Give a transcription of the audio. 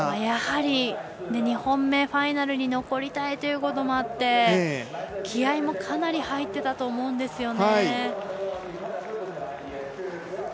やはり２本目ファイナルに残りたいというのもあって気合いもかなり入ってたと思うんですよね。